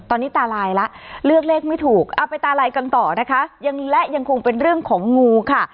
ตอนนี้ตาลายแล้วเลือกเลขไม่ถูกเอาไปตาลายกันต่อนะคะยังและยังคงเป็นเรื่องของงูค่ะ